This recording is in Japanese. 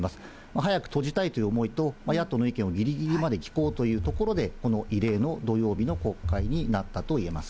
早く閉じたいという思いと、野党の意見をぎりぎりまで聞こうというところで、この異例の土曜日の国会になったといえます。